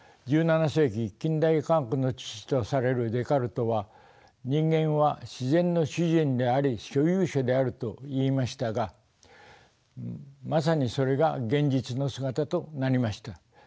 １７世紀近代科学の父とされるデカルトは「人間は自然の主人であり所有者である」と言いましたがまさにそれが現実の姿となりました。